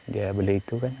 dia beli itu kan